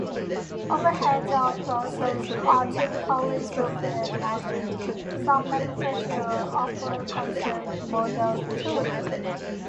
Overhead door closers are typically surface mounted, some manufacturers offer concealed models too.